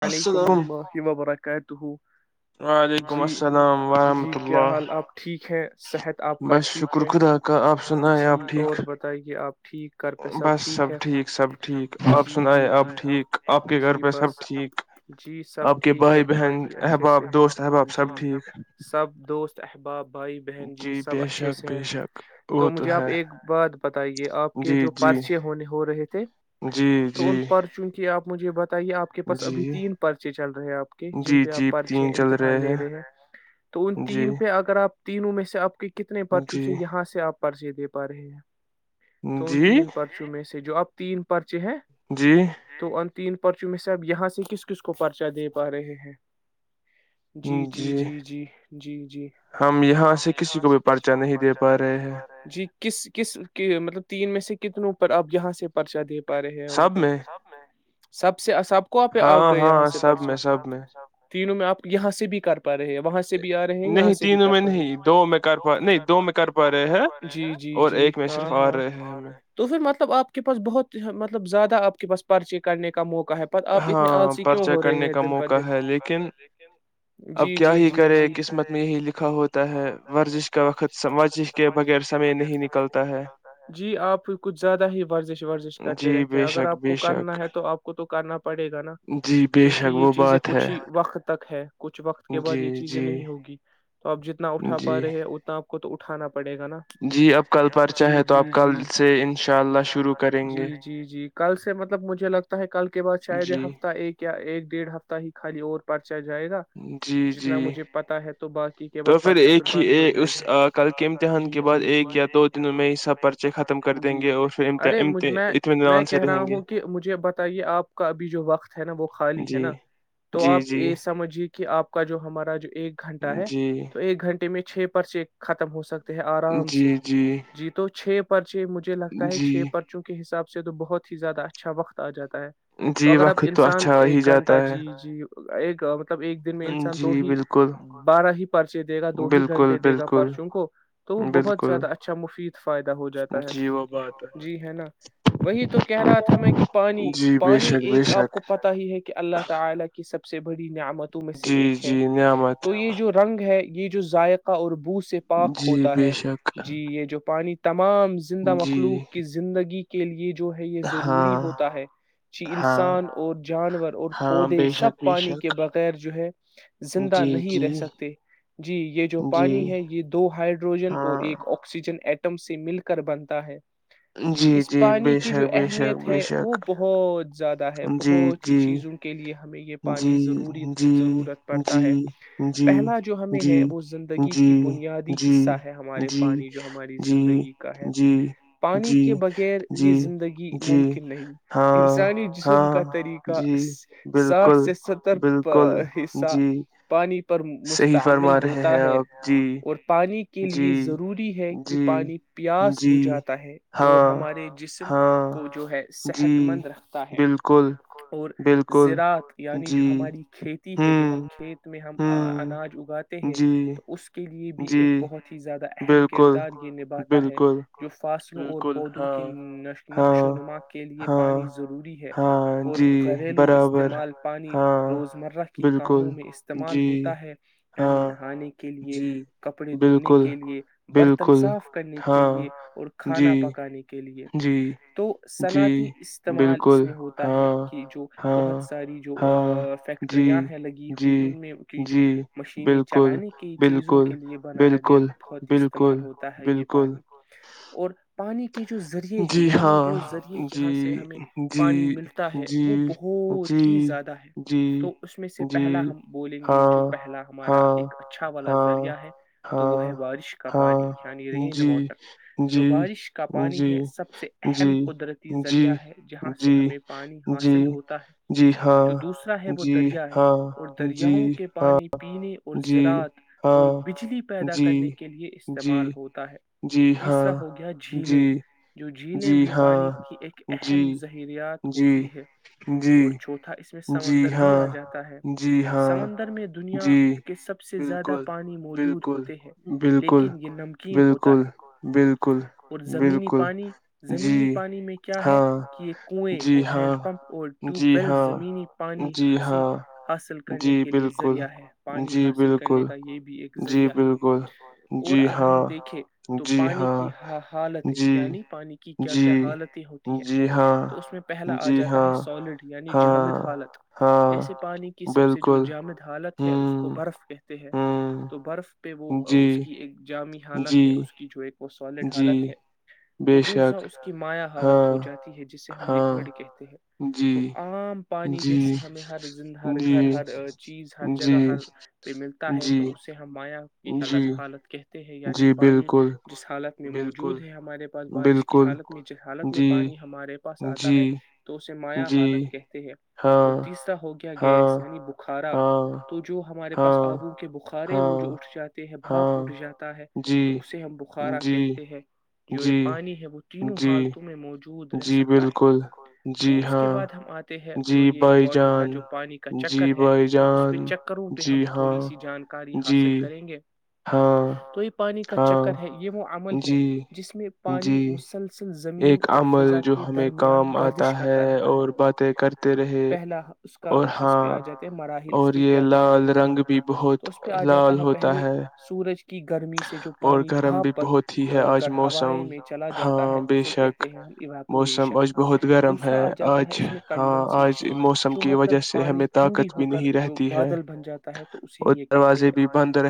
وعلیکم وبرات کہ ت ہو وعلیکم السلام وورحمۃ اللہ بس شکر خدا کا آپ سن ہے آپ ٹھیک آپ بس سب ٹھیک سب ٹھیک آپ سنیں آپ ٹھیک آپ کے گھر پہ سب ٹھیک جی سب ٹھیک ہے بہت ہی اچھے سے جی سب دوست احباب بھائی بہن جی سب اچھے سے ہے تو مجھے آپ ایک بات بتائیے آپ کے جو پرچے ہونے ہو رہے تھ تھ تو ان پر چوں کی آپ مجھے ب یہ آ کے پاس اب تو تین پرچے چل رہے ہیں آپ کے جن پہ آپ پرچے امتحان لے رہے ہیں تو ان تین پہ اگر آپ تینوں میں سے آپ کی کتنے پرچوں سے یہاں سے آپ پرچے دے پا رہے ہیں تو ان تین پرچوں میں سے جو اب تین پر چ ہے تو تین پرچوں میں صاحب یہاں سے کس کس کو پرچا دے پا رہے ہیں جی جی جی جی جی جی ہم یہاں سے کسی کو بھی پرچہ نہیں دے پا رہے جی کس کس کے مطلب تین میں سے کتنےوں اوپر آپ یہاں سے پرچہ دے پے ہیں ان پر سب میں سب سے سب کو آ پہ آ گ یہاں سے پرچ سب سب تینوں میں آپ یہاں سے بھی کر رہے وہاں سے بھی آ رہے یہاں سے بھی کر پا رہے دو میںات نہیں دو میں جی جی جی ہاں ہاں رہا تو پھر مطلب آپ کے پاس بہت مطلب زیادہ آپ کہ بس پرچی کرنے کا موقع ہے پ آپ اتنے آگھ سے وں ہو رہے ہیں د پر د موقع ہے لیکن جی جی جی جی قسمت میں لا ہوتا ہے ورزش کا وقت ب س نہیں نکلتا جی آپ کچھ زیادہ ہی ورزش ورزش کرتے رہتے ہیں اگر آپ کو کرنا ہے تو آپ کو تو کرنا پڑے گا کیونکہ یہ چیزیں کچھ ہی وقت تک ہے کچھ وقت کے بعد یہ چیزیں نہیں ہوگی تو آپ جتنا اٹھا پا رہے ہیں اتنا تو اٹھانا پڑے گا نا جی جی جی جی جی جی کل سے مطلب مجھے لگتا ہے کل کے بعد شاید یہ ہ کیا ایک ڈیھ ہفتہ ہی خالی اور پڑتا جائے گا جتنا مجھے پتا ہے تو بقی بعد پرچہ پھر بند ہو جائے گا جی جی جی جی ارے میں میں کہہ رہا ہوں کہ مجھے بتائیے آپ کا ابھی جو وقت ہے نا وہ خالی ہے نا تو آپ یہ سمجھیے کہ آپ کا جو ہمارا ایک گھنٹہ ہے تو ایک گھنٹے میں چھ پرس ختم ہو سکتا ہے آرام سے جی تو چھ چھ مجھے لگتا ہے چھ پرچوں کے حساب سے تو بہت ہی زیادہ اچھا وقت آ جا ہے جی وقت انسان ایک گھنٹہ جی جی ایک گ مطلب ایک دن میں انسان دو ہی بارہ ہی پرچے دے گا دو ہی گھنٹے دے گا پرچوں کو تو وہ بہت زیادہ اچھا مفید فائدہ ہو جاتا ہے جی ہے نا وہی تو کہہ رہا تھا میں کہ پانی پانی ایک آپ کو پتا ہی ہے کہ اللہ تعالی کی سب سب سے بڑی نیامتوں میں سے ایک ہے تو یہ جو رنگ ہے یہ جو ذائقہ اور بوھ سے پاکاک ہوتا ہے جی یہ جو پانی تمام زندہ مخلوق کی زندگی کے لیے ہے یہ ضروری ہوتا ہے کہ انسان اور جانور اور پودے سب پانی کے بغیر جو ہے زندہ نہیں رہ سکتے جی یہ جو پانی ہے یہ دو ہائڈروجن اور ایک آکسیجن ای سے مل کر بنتا ہے جی اس پانی کی جو اہمیت ہے وہ بہت زیادہ ہے بہت سی چیزوں کے لیے ہمیں یہ پانی ضروری ضرورت پڑتا ہے پہلا جو ہمیں ہے وہ زندگی کی بنیادی حصہ ہے ہمارے پانی جو ہماری زندگی کا ہے پانی کے بغیر یہ زندگی ممکن نہیں انسانی جسم کا طریقہ ساٹھ سے ستر حصہ پانی پ پر مستعمل ہوتا ہے اور پانی کے لیے ضروری ہے کہ پانی پیاس بجھاتا ہے اور ہمارے جسم کو جو ہے صحت مند رکھتا ہے اور زراعات یعنی جو ہماری کھیتی ہے جو ہم کھیت میں ہم اناج اگاتے ہیں تو اس کے یہ بھی ایک بہت ہی زیادہ اہم کردار یہ نبھاتا ہے جو فاصلوں اور پودوں کی نقش و نما کے لیے پانی ضروری ہے اور گھریلو استعمال پانی روزمرہ کی کاموں میں استعمال ہوتا ہے یعنی نہانے کے لیے کپڑے دھونے کے لیے برتن صاف کرنے کے لیے اور کھانا پکانے کے لیے تو صنعتی استعمال اس میں ہوتا ہے کہ جو بہت ساری جو فیکٹریاں ہیں لگی ہوئی ان میں کی جو مشین چلانے کی چیزوں کے لیے بنایا گیا بہت استعمال ہوتا ہے یہ پانی اور پانی پانی کے جو ذریعے ہے یعنی وہ ذریعے جہاں سے ہمیں پانی ملتا ہے وہ بہت ہی زیادہ ہے تو اس میں سے پہلا ہم بولیں گے جو پہلا ہمارا ایک اچھا والا ذریعہ ہے تو وہ ہے بارش کا پانی یعنی رین واٹر جو بارش کا پانی ہے سب سے اہم قدرتی ذریعہ ہے جہاں سے ہمیں پانی حاصل ہوتا ہے جو دوسرا ہے وہ دریا ہے اور دریاؤں کے پانی پینے اور زراعت اور بجلی پیدا کرنے کے لیے استعمال ہوتا ہے تیسرا ہو گیا جل جو جھیلیں بھی پانی کی ایک اہم ذہریات ہوتی ہے اور چوتھا اس میں سمندر بھی آ جاتا ہے سمندر میں دنیا کے سب سے زیادہ پانی موجود ہوتے ہیں لیکن یہ نمکین ہوتا ہے اور زمینی پانی زمینی پانی میں کیا ہے کہ یہ کنویں ہینڈ پمپ اور ٹیوب ویل زمینی پانی ہنسی حاصل کرنے کے لیے ذریعہ ہے پانی حاصل کرنے کا یہ بھی ایک ذریعہ ہے اور اگر ہم دیکھیں تو پانی کی حالت یعنی کیا کیا حالتیں ہوتی ہے تو اس میں آ جاتا ہے سالڈ یعنی جامد حالت جیسے پانی کی سب سے جو جامد حالت ہے اس کو برف کہ ہیں تو برف پہ وہ اس کی ایک جامع حالت ہے اس کی جوڑ وہ سالڈ حالت ہے تو دوسرا اس کی مایا حالت ہو جاتی ہے جسے ہم لکھ کہتے ہیں تو عام پانی جیسے ہمیں ہر ہر گھر ہر چیز ہر جگہ ہر پہ ملتا ہے تو اس سے ہم مایا یہ حالت حالت کہ ہیں یعنی پانی جس حالت میں موجود ہے ہمارے پاس بارش کی حالت میں جس حالت میں پانی ہمارے پاس آتا ہے تو اس اسے مایا حالت کہتے ہے اور تیسرا ہو گیا گیس یعنی بخارا تو جو ہمارے پاس آبو کے بخارے وہ جو اٹھ جاتے ہیں بھاپ اٹھ جاتا ہے تو اسے ہم بخارا کہتے ہیں جو یہ پانی ہے وہ تینوں حالتوں میں مو رہ سکتا ہے تو اس کے بعد ہم آتے ہیں جو یہ واٹر کا جو پانی کا چکر ہے اس پہ چکروں پہ ہم تھوڑی سی جانکاری حاصل کریں گے تو یہ پانی کا چکر ہے یہ ہے جس میں پانی مسلسل ز ایک عمل جو ہمیں درمیان گردش کرتا رہتا ہے پہلا اس کا ہم اس پہ آ جاتے مراحل اس کے کیا کیا آ جاتے ہے تو اس پہ آ جاتا ہے پہل سورج کی گرمی سے جو پانی بھاپ بن کر ہوائ میں چلا جاتا ہے اسے کہتے ہیں ایویپوریشن دوسرا آ جاتا ہے اس میں کنڈنشن جو مطلب پانی ٹھنڈی ہو کر جو بادل بن جاتا ہے تو اسے یہ کہتے ہیں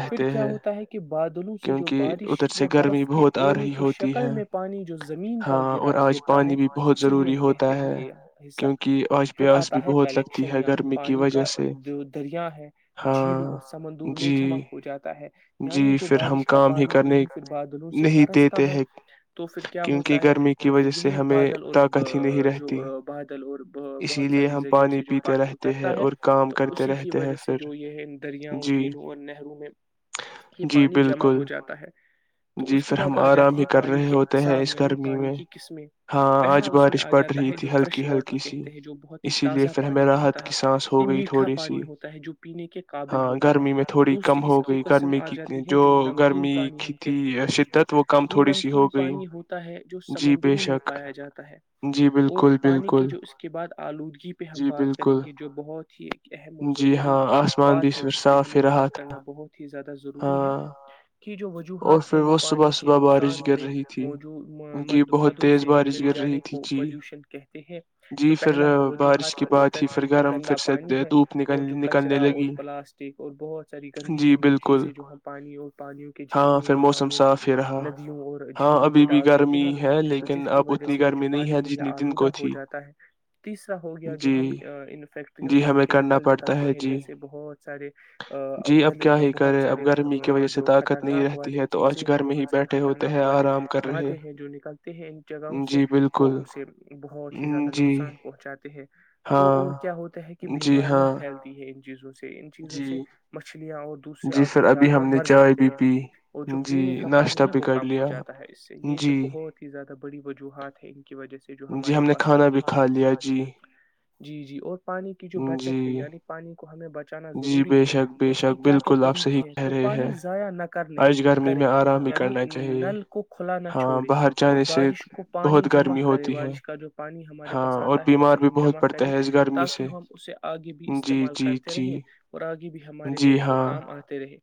پھر کیا ہوتا ہے کہ بادلوں سے جو بارش یا برف کے اولے کی شکل میں پانی جو زمین پر گرا گرتا ہے اسے ہی ہم کہتے ہیں گ حصہ پھر آتا ہے کلیکشن یعنی پانی کا جو دریا ہے جھیلو اور سمندور میں جمع ہو جاتا یعنی جو بارش کا پانی انہیں پھر بادلوں سے برستا ہے تو پھر کیا ہوتا ہے تو پھر یہی بادل اور جو بادل اور بہت ساری زریوں سے جو پانی اترتا ہے تو اسی کی وجہ سے جو یہ ہے دریاؤ جھیلوں اور نہروں میں یہ پانی جمع ہو جاتا ہے تو اس کے بعد آ جاتے ہے پانی کے اسام یعنی پانی کی قسمیں پہلا اس آ جاتا ہے جو فریش واٹر کہتے ہیں جو بہت ہی تازہ پانی ہوتا ہے یہ میٹھا پانی ہوتا ہے جو پینے کے قابل ہوتا ہے دوسری اس کی آ جاتی ہے جو نمکین پانی ہم کہتے ہیں اس کو یہ نمکین پانی ہوتا ہے جو سمندروں میں پایا جاتا ہے اور پانی کی جو اس کے بعد آلودگی پہ ہم بات کریں گے جو بہت ہی ایک اہم اور ضروری بات ہے جس پہ ہمیں بات کرنا بہت ہی زیادہ ضروری ہے کہ جو وجوہات ہیں جو پانی کے نقصان دہ مو مدمادوں سے جو مل جانے کی پالوشن کہتے ہیں جو پہلا وجوہات ہے وہ فیکٹری کا گندا پانی ہے اور جو کچرا اور پلاسٹک اور بہت ساری گندی گندی چیزیں جو ہم پانی اور پانیوں کے جھرنےوں اور پانیوں کی ندیوں اور جھیلوں میں ڈال دیتے ہیں تو جس کی وجہ سے یہ جو پانی ہے یا آلودہ ہو جاتا ہے تیسرا ہو گیا جو ہم فیکٹریوں سے جو کیمیکل نکلتے ہیں جیسے بہت سارے گ بہت سارے جو خطرناک والے چیزیں ہیں بہت سارے خطرناک والے مادے ہیں جو نکلتے ہیں ان جگہوں سے وہ اسے بہت ہی زیادہ نقصان پہنچاتے ہیں تو اور کیا ہوتا ہے کہ بیماریاں پھیلتی ہے ان چیزوں سے ان چیزوں سے مچھلیاں اور دوسرے آبی جانور مر جاتے ہیں اور جو پینے کا پانی ہے وہ کم ہو جاتا ہے اس سے یہ جو بہت ہی زیادہ بڑی وجوہات ہے جیس سے جو ہمارے پا آتی جی جی اور پانی کی جو بچت ہے یعنی پانی ہمیں بچانا ضروری ہے تو اس کے کیا کیا طریقے ہیں تو پانی ضائع نہ کرنے کریں یعنی نل کو کھلا نہ چھوڑے اور بارش کو پانی جمع بارش کا جو پانی ہمارے پاس آتا ہے اسے ہم جمع کریں تاکہ ہم اسے آگے بھی استعمال کرتے اور آگے بھی ہمارے وہ کام آتے رہے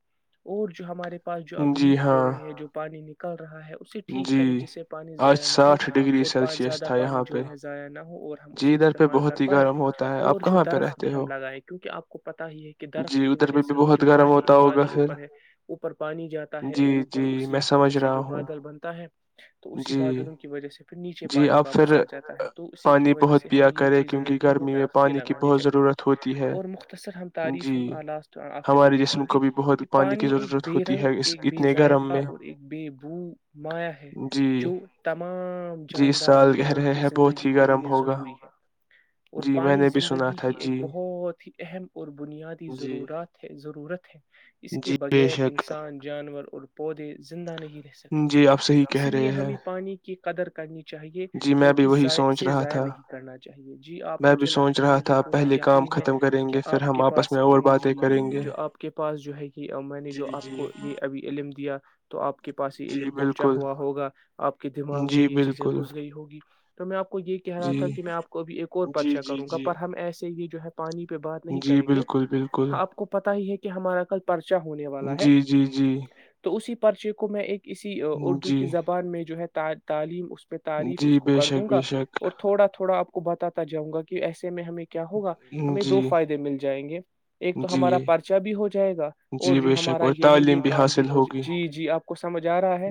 اور جو ہمارے اس جو اب لیک ہو رہی ہے جو پانی نک رہا ہے اسے ٹھیک کریں جس سے پانی ضائع نہ ہو اور زیادہ پانی جو ہے ضائع نہ ہو اور ہم اسے استعمال کر پائے اور جو درخت بھی ہم لگائے کیوںکہ آپ کو پتا ہی ہے کہ درخت کی وجہ سے ہی جو پانی بادل اوپر ہے اوپر پانی جاتا ہے اور اوپر اسی وجہ سے جو بادل ب تا ہے تو اسی بادلوں کی وجہ سے پھر نیچے پ پانی واپس آ جاتا ہے تو اسی کی وجہ سے ہمیں یہ چیز ہے کہ ہمیں درختیں لگانی چاہیے اور مختصر ہم تعریف ہم آس آخر میں دیکھیں گے کہ پانی ایک بے رنگ ایک بے ذائقہ اور ایک بے بو ما ہے جو تمام شاندار مخلوق کی زندگی کے لیے ضروری ہے اور پانی زندگی کی ایک بہت ہی اہم اور بنیادی ضرورت ہے ضرورت ہے اس کے بغیر انسان جانور اور پودے زندہ نہیں رہ سکتے اس لیے ہمیں پانی کی قدر کرنی اور اسے ضائع نہیں کرنا چاہیے جی آپ مجھے لگتا ہے مجھے پورا یقین ہے کہ آپ کے پاس جی جو آپ کے پاس میں نے جو آپ کو یہ ابھی علم دیا تو آپ کے پاس یہ علم پہنچا ہوا ہوگا آپ کے دماغ میں یہ گھس گئی ہوگی تو میں آپ یہ کہہ رہا تھا کہ میں آپ کو ابھی ایک اور پرچا کروں گا پر ہم ایسے یہ جو پانی پہ بات نہیں کریں گے آپ کو پتا ہی ہے کہ ہمارا کل پرچا ہونے والا ہے تو اسی پر پرچے کو میں ایک اسی اردو کی زبان میں جو ہے تعلیم اس پہ تعریف اس کو کر دوں گا اور تھوڑا تھوڑا آپ کو بتاتا جاں گا کہ کہ ایسے ہمیں کیا ہوگا ہمیں دو فائدے مل جائیں گے ایک تو ہمارا پرچا بھی ہو جائے گا اور جو ہمارا یہ ہے یہ کام بھی ہو جی جی آپ کو سمجھ آ رہا ہے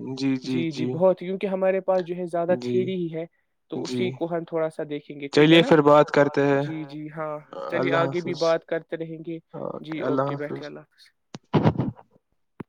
جی جی بہت کیونکہ ہمارے پ ج زیادہ تھیری ہی ہے تو اسی کو ہم تھوڑا سا دیکھیں گے ٹھیک ہے نا جی جی ہاں چلیے آگے بھی بات کرتے رہیں گے جی اوکے بیٹھے اللہ حافظ